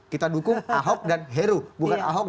kita dukung ahok dan heru bukan ahok